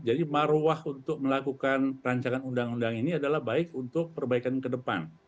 jadi maruah untuk melakukan rancangan undang undang ini adalah baik untuk perbaikan ke depan